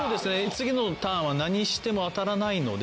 次のターンは何しても当たらないので。